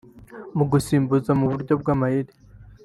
Mu gusimbuza mu buryo bw’amayeri